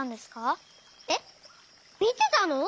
えっみてたの？